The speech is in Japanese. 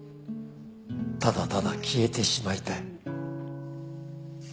「ただただ消えてしまいたい」